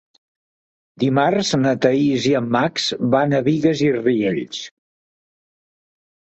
Dimarts na Thaís i en Max van a Bigues i Riells.